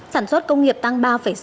sản xuất công nghiệp tăng ba sáu